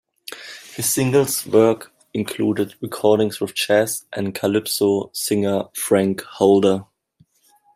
His singles work included recordings with jazz and calypso singer Frank Holder.